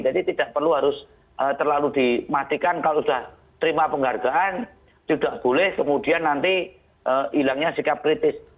jadi tidak perlu harus terlalu dimatikan kalau sudah terima penghargaan tidak boleh kemudian nanti hilangnya sikap kritis